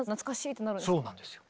そうなんですよ。